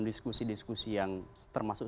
diskusi diskusi yang termasuk